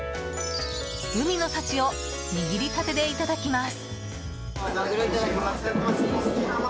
海の幸を握りたてでいただきます。